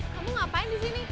kamu ngapain disini